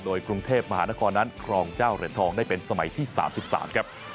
โดยกรุงเทพมหานครนั้นครองเจ้าเหรียญทองได้เป็นสมัยที่๓๓ครับ